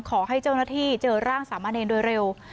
ขอให้เจ้าหน้าที่เจอร่างสามะเนรโดยเร็ว